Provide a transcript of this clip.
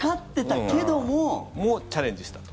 チャレンジしたと。